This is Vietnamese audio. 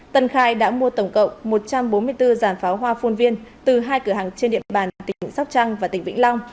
tân khai đã mua tổng cộng một trăm bốn mươi bốn giàn pháo hoa phun viên từ hai cửa hàng trên địa bàn tỉnh sóc trăng và tỉnh vĩnh long